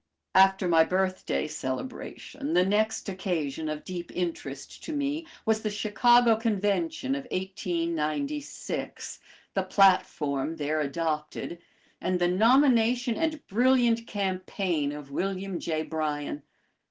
After my birthday celebration, the next occasion of deep interest to me was the Chicago Convention of 1896, the platform there adopted, and the nomination and brilliant campaign of William J. Bryan.